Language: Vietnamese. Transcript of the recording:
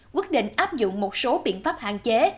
quyết định áp dụng một số biện pháp hạn chế